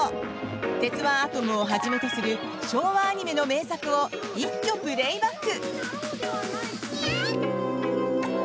「鉄腕アトム」をはじめとする昭和アニメの名作を一挙プレーバック！